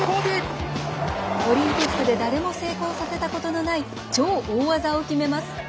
オリンピックで誰も成功させたことのない超大技を決めます。